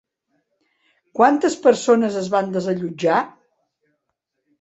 Quantes persones es van desallotjar?